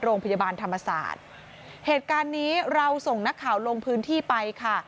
โรงพยาบาลธรรมศาสตร์เหตุการณ์นี้เราส่งนักข่าวลงพื้นที่ไปค่ะ